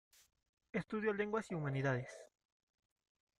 Estudió lenguas y humanidades.